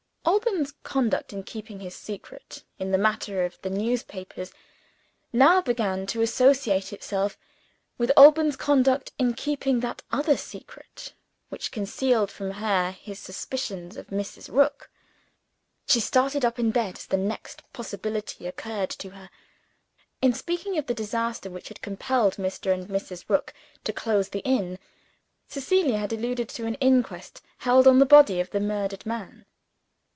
Alban's conduct in keeping his secret, in the matter of the newspapers, now began to associate itself with Alban's conduct in keeping that other secret, which concealed from her his suspicions of Mrs. Rook. She started up in bed as the next possibility occurred to her. In speaking of the disaster which had compelled Mr. and Mrs. Rook to close the inn, Cecilia had alluded to an inquest held on the body of the murdered man.